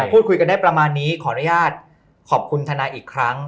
พูดคุยกันได้ประมาณนี้ขออนุญาตขอบคุณทนายอีกครั้ง